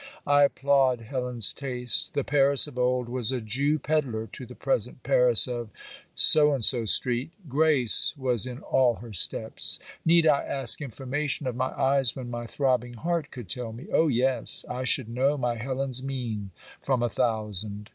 I applaud Helen's taste. The Paris of old was a Jew pedlar to the present Paris of street. Grace was in all her steps. Need I ask information of my eyes when my throbbing heart could tell me? Oh yes, I should know my Helen's mien from a thousand.